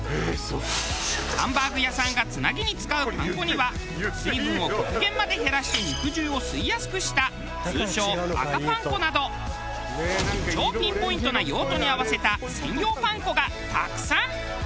ハンバーグ屋さんがつなぎに使うパン粉には水分を極限まで減らして肉汁を吸いやすくした通称赤パン粉など超ピンポイントな用途に合わせた専用パン粉がたくさん。